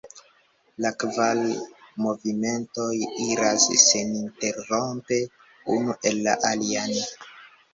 La kvar movimentoj iras seninterrompe unu en la alian.